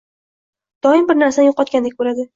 Odam bir narsasini yo‘qotgandek bo‘ladi